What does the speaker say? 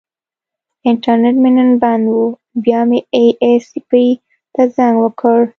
انټرنیټ مې نن بند و، بیا مې ائ ایس پي ته زنګ وکړ.